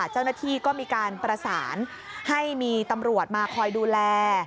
เจ้าหน้าที่ก็มีการประสานให้มีตำรวจมาคอยดูแล